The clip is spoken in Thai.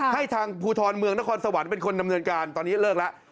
ให้ทางภูทรเมืองนครสวรรค์เป็นคนดำเนินการตอนนี้เลิกแล้ว